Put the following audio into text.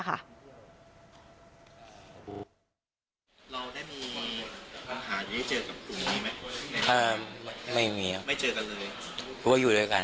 ข้างบนนี้ตอนกลับ